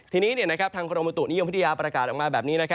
ทีนี้ทางกรมบุตุนิยมพัทยาประกาศออกมาแบบนี้